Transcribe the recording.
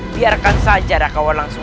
biarkan saja rakaulah langsung